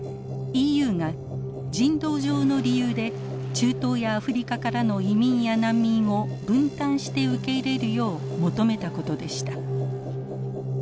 ＥＵが人道上の理由で中東やアフリカからの移民や難民を分担して受け入れるよう求めたことでした。